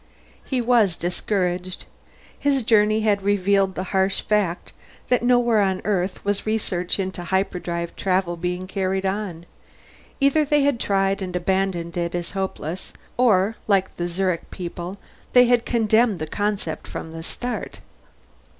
He was discouraged. His journey had revealed the harsh fact that nowhere on Earth was research into hyperdrive travel being carried on; either they had tried and abandoned it as hopeless, or, like the Zurich people, they had condemned the concept from the start.